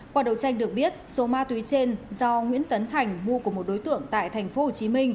qua đấu tranh được biết số ma túy trên do nguyễn tấn thành mua của một đối tượng tại tp hcm